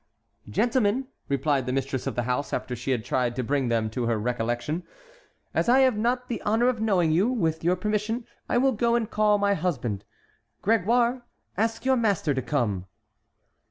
"Gentlemen," replied the mistress of the house, after she had tried to bring them to her recollection, "as I have not the honor of knowing you, with your permission I will go and call my husband. Grégoire, ask your master to come."